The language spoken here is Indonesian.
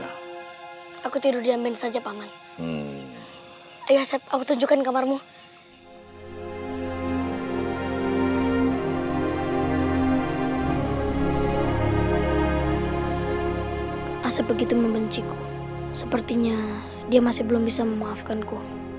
asyik begitu membenciku sepertinya dia masih belum bisa memaafkanku